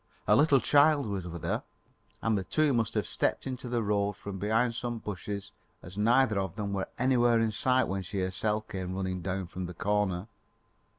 A little child was with her, and the two must have stepped into the road from behind some of the bushes, as neither of them were anywhere in sight when she herself came running down from the corner.